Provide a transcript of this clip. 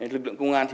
lực lượng công an